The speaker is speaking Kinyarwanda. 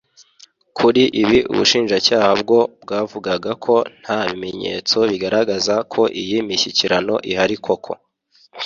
Kuri ibi ubushinjacyaha bwo bwavugaga ko nta bimenyetso bigaragaza ko iyi mishyikirano ihari koko